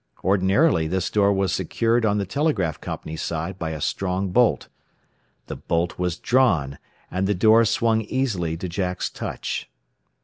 Ordinarily this door was secured on the telegraph company's side by a strong bolt. The bolt was drawn, and the door swung easily to Jack's touch!